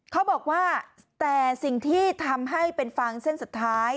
เขาบอกว่าแต่สิ่งที่ทำให้เป็นฟางเส้นสุดท้าย